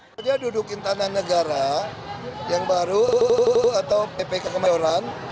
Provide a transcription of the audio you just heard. kalau kita duduk di tanah negara yang baru atau ppk kemanjuran